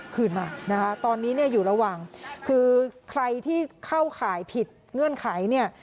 คืนมาตอนนี้อยู่ระหว่างคือใครที่เข้าขายผิดเงื่อนไข